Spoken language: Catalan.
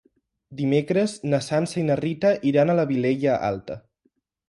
Dimecres na Sança i na Rita iran a la Vilella Alta.